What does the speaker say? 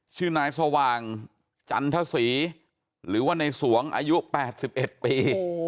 ชื่อนายสว่างจันทศรีหรือว่าในแล้วสวงอายุแปดสิบเอ็ดปี